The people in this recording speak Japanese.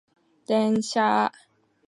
電車